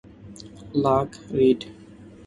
লাগ, রীড।